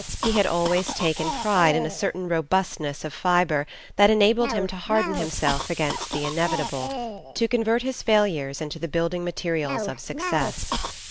He had always taken pride in a certain robustness of fibre that enabled him to harden himself against the inevitable, to convert his failures into the building materials of success.